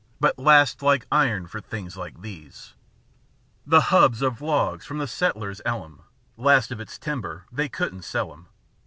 But lasts like iron for things like these; The hubs of logs from the " Settler's ellum "â Last of its timber â they couldn't sell 'em.